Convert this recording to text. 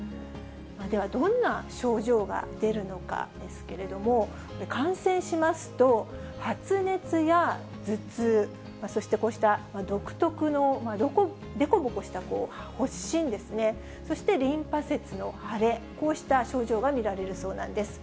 では、どんな症状が出るのかですけれども、感染しますと、発熱や頭痛、そしてこうした独特の凸凹した発疹ですね、そしてリンパ節の腫れ、こうした症状が見られるそうなんです。